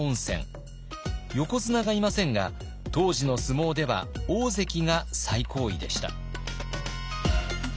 横綱がいませんが当時の相撲では大関が最高位でした。